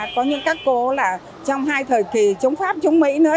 có những các cô là trong hai thời kỳ chống pháp chống mỹ nữa